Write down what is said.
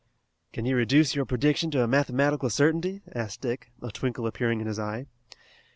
"Can you reduce your prediction to a mathematical certainty?" asked Dick, a twinkle appearing in his eye.